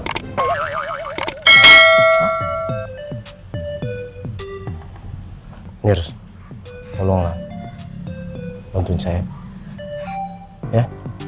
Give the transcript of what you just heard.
mir tolonglah bantuin saya ya